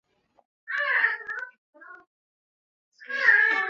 这两种表现的方法在后期的演歌中是不可或缺的。